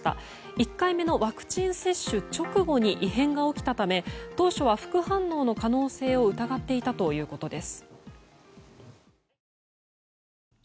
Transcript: １回目のワクチン接種直後に異変が起きたため当初は副反応の可能性を疑っていたということです。